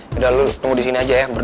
yaudah lu tunggu di sini aja ya berdoa